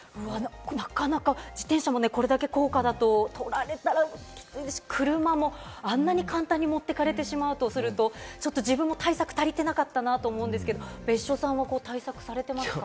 自転車もこれだけ高価だと取られたらきついし、車もあんなに簡単に持っていかれてしまうと自分も対策足りてなかったなと思うんですけれども、別所さんは対策されてますか？